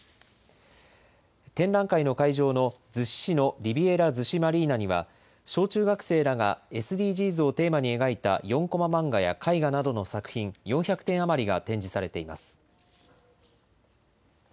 展覧会の会場の逗子市のリビエラ逗子マリーナには、小中学生らがＳＤＧｓをテーマに描いた４コマ漫画や絵画などの作品４００点余りが展示されています。